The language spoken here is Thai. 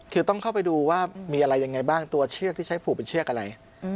คือต้องเข้าไปดูว่ามีอะไรยังไงบ้างตัวเชือกที่ใช้ผูกเป็นเชือกอะไร